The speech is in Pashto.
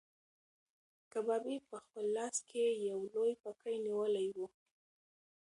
کبابي په خپل لاس کې یو لوی پکی نیولی و.